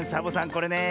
これねえ